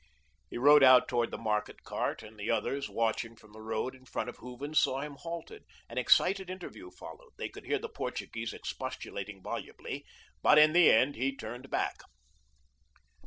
He rode out towards the market cart, and the others, watching from the road in front of Hooven's, saw him halt it. An excited interview followed. They could hear the Portuguese expostulating volubly, but in the end he turned back.